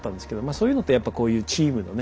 そういうのってやっぱこういうチームのね